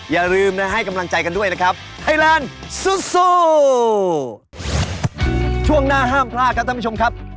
อย่าลืมนะให้กำลังใจกันด้วยนะครับ